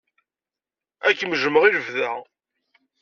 Ad kem-jjmeɣ i lebda.